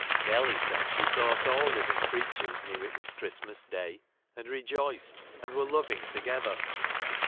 Nelly said she thought all living creatures knew it was Christmas Day, and rejoiced, and were loving together.